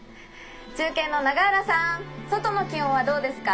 中継の永浦さん外の気温はどうですか？」。